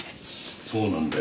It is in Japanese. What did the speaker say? そうなんだよ。